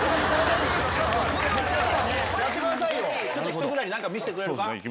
ひとくだり見せてくれるか？